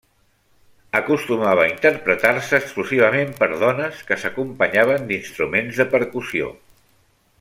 Acostumava a interpretar-se exclusivament per dones, que s'acompanyaven d'instruments de percussió.